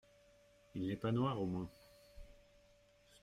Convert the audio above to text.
Il n’est pas noir au moins ?